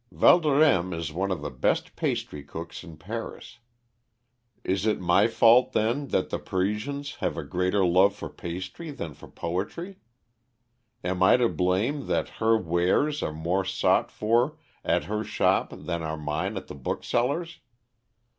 Valdorême is one of the best pastry cooks in Paris; is it my fault, then, that the Parisians have a greater love for pastry than for poetry? Am I to blame that her wares are more sought for at her shop than are mine at the booksellers'?